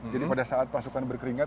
jadi pada saat pasukan berkeringat